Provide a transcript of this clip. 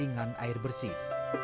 pembangunan air bersih